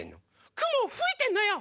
くもをふいてんのよ！